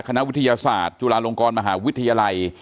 คณะวิทยาศาสตร์จุฬาลงกรมหาวิทยาลัย